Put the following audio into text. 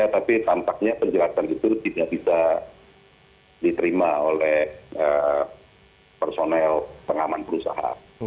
tapi tampaknya penjelasan itu tidak bisa diterima oleh personel pengaman perusahaan